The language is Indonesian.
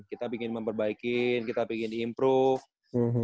kita pingin memperbaikin kita pingin improve